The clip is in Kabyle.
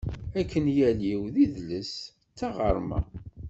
Akenyal-iw d idles, d taɣerma.